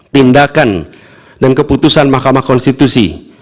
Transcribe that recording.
tindakan dan keputusan mahkamah konstitusi